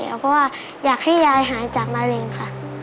เพราะว่าอยากให้ยายหายจากมะเร็งค่ะ